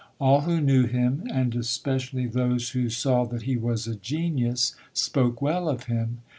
All who knew him, and especially those who saw that he was a genius, spoke well of him.